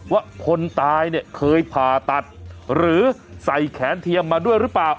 ว่าคนตายเนี่ยเคยผ่าตัดหรือใส่แขนเทียมมาด้วยหรือเปล่า